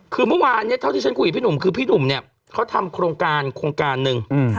คือเมื่อวานเนี่ยเท่าที่ฉันคุยกับพี่หนุ่มคือพี่หนุ่มเนี่ยเขาทำโครงการโครงการหนึ่ง